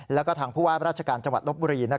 แล้วก็ทางผู้ว่าราชการจลบบุหรี่